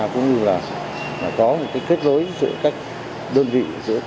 cũng như là có một kết nối giữa các đơn vị